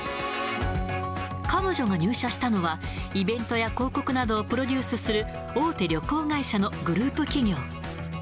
彼女が入社したのは、イベントや広告などをプロデュースする、大手旅行会社のグループ企業。